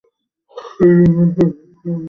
Deep earth control, Virgil থেকে বলছি।